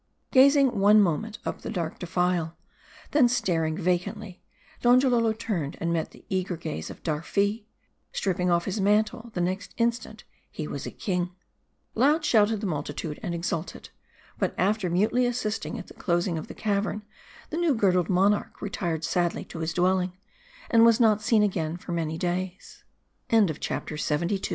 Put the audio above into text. Gazing one moment up the dark defile, then staring va cantly, Donjalolo turned and met the eager gaze of Darn. Stripping oif his mantle, the next instant he was a king. Loud shouted the multitude, and exulted ; but after mute ly assisting at the closing of the cavern, the new girdled monarch retired sadly to his dwellin